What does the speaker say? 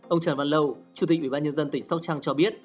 ông trần văn lâu chủ tịch ủy ban nhân dân tỉnh sóc trăng cho biết